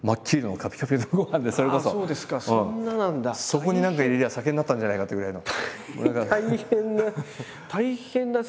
そこに何か入れりゃ酒になったんじゃないかってぐらいの。